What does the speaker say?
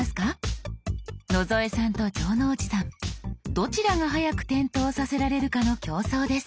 どちらが早く点灯させられるかの競争です。